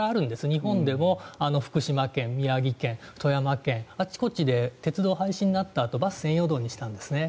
日本でも福島県、宮城県富山県、あちこちで鉄道が廃止になったあとバス専用道にしたんですね。